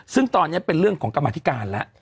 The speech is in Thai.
ซึ่งตอนนี้เป็นเรื่องของกรรมธิการแล้ว